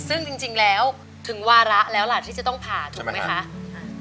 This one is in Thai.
ซึ่งจริงแล้วถึงวาระแล้วล่ะที่จะต้องผ่าถูกไหมคะ